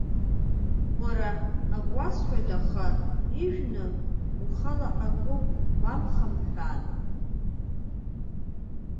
Уара, ак уасҳәоит, аха ижәны уахала ак уамхамҳәан.